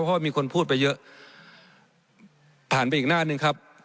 เพราะว่ามีคนพูดไปเยอะผ่านไปอีกหน้าหนึ่งครับ